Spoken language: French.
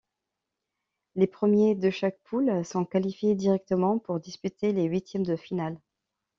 Les premiers de chaque poule sont qualifiés directement pour disputer les huitièmes de finale.